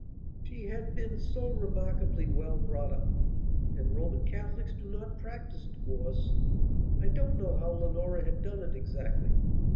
She had been so remarkably well brought up, and Roman Catholics do not practise divorce. I don't know how Leonora had done it exactly.